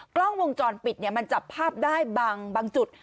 กล้องวงจรปิดมันจับภาพได้บางจุด